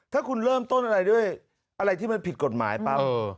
ถ้าคุณเริ่มต้นอะไรด้วยอะไรที่มันผิดกฎหมายปั๊บ